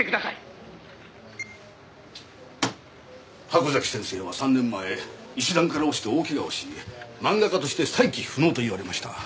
箱崎先生は３年前石段から落ちて大ケガをし漫画家として再起不能と言われました。